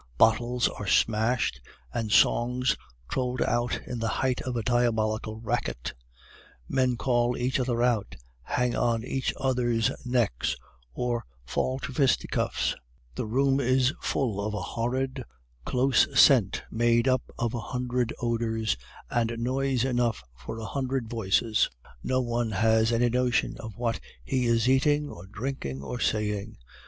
Bottles are smashed, and songs trolled out in the height of a diabolical racket; men call each other out, hang on each other's necks, or fall to fisticuffs; the room is full of a horrid, close scent made up of a hundred odors, and noise enough for a hundred voices. No one has any notion of what he is eating or drinking or saying.